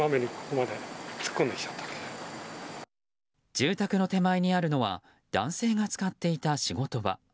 住宅の手前にあるのは男性が使っていた仕事場。